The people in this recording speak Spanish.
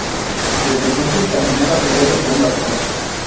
Desde entonces caminaba apoyado por un bastón.